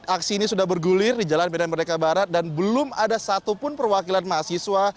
aksi ini sudah bergulir di jalan medan merdeka barat dan belum ada satupun perwakilan mahasiswa